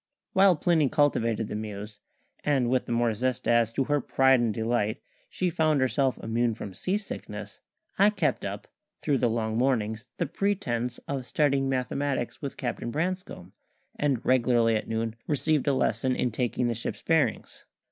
While Plinny cultivated the Muse and with the more zest as, to her pride and delight, she found herself immune from sea sickness I kept up, through the long mornings, the pretence of studying mathematics with Captain Branscome, and regularly at noon received a lesson in taking the ship's bearings.